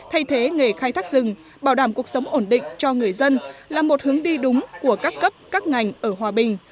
thay thế nghề khai thác rừng bảo đảm cuộc sống ổn định cho người dân là một hướng đi đúng của các cấp các ngành ở hòa bình